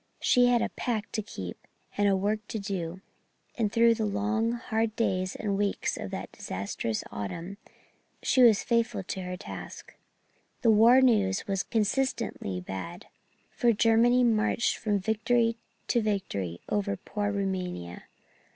She had a pact to keep and a work to do; and through the long hard days and weeks of that disastrous autumn she was faithful to her task. The war news was consistently bad, for Germany marched from victory to victory over poor Rumania.